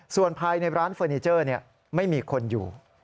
ส่วนภายในร้านเฟอร์นิเจอร์ไม่มีคนอยู่